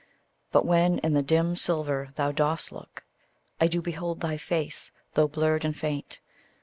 But when in the dim silver thou dost look, I do behold thy face, though blurred and faint.